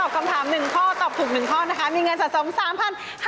คำถาม๑ข้อตอบถูก๑ข้อนะคะมีเงินสะสม๓๕๐๐บาท